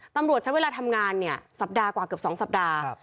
ตำรวจใช้เวลาทำงานเนี่ยสัปดาห์กว่าเกือบ๒สัปดาห์